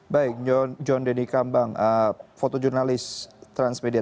baik john denny kambang fotojurnalis transmedia